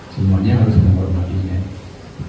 semuanya harus mengurangi nama